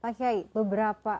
pak kiai beberapa